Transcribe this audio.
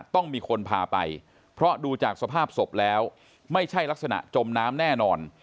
ต้องมีคนพาไปเพราะดูจากสภาพศพแล้วไม่ใช่ลักษณะจมน้ำแน่นอน